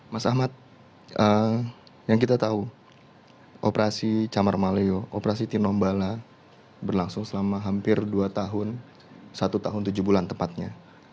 mas ahmad yang kita tahu operasi camar maleo operasi tinombala berlangsung selama hampir dua tahun satu tahun tujuh bulan tepatnya